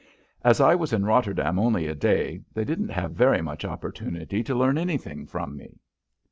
As I was in Rotterdam only a day, they didn't have very much opportunity to learn anything from me.